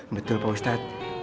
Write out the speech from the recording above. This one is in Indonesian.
betul pak ustadz